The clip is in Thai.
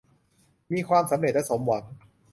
มีความสำเร็จและสมหวัง